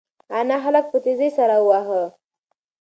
انا هلک په تېزۍ سره وواهه.